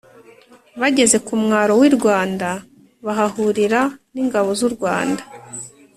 bageze kumwaro wirwanda bahahurira ningabo zurwanda